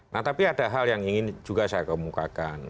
nah tapi ada hal yang ingin juga saya kemukakan